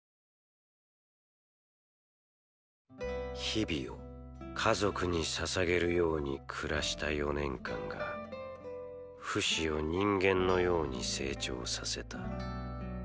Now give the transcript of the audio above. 日々を家族に捧げるように暮らした４年間がフシを人間のように成長させた。